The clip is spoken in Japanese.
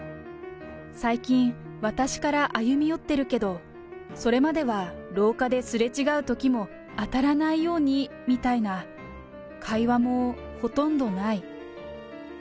最近、私から歩み寄ってるけど、それまでは、廊下ですれ違うときも、当たらないようにみたいな、会話もほとんどない。